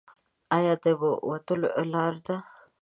ایا دا د وتلو لار ده؟